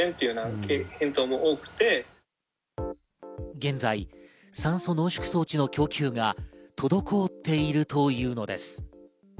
現在、酸素濃縮装置の供給が滞っているというのです。